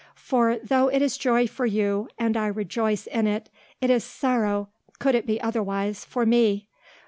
For though it is joy for you, and I rejoice in it, it is sorrow, could it be otherwise, for me.